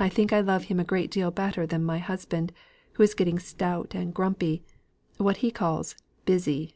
I think I love him a great deal better than my husband, who is getting stout, and grumpy what he calls 'busy.